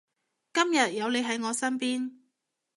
今日有你喺我身邊